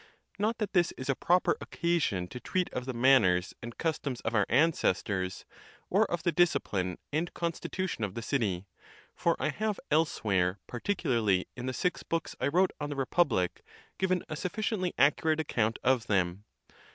Not that this is a proper occasion to treat of the manners and customs of our ancestors, or of the discipline and consti tution of the city; for I have elsewhere, particularly in the six books I wrote on the Republic, given a sufficient ly accurate account of them.